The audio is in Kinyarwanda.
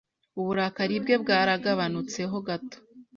Uburakari bwe bwaragabanutseho gato